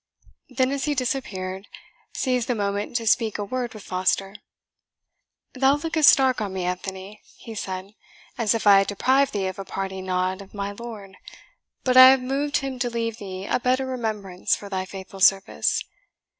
then as he disappeared, seized the moment to speak a word with Foster. "Thou look'st dark on me, Anthony," he said, "as if I had deprived thee of a parting nod of my lord; but I have moved him to leave thee a better remembrance for thy faithful service.